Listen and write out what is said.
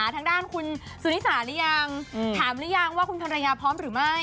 ต้องทำลายยาพร้อมหรือไม่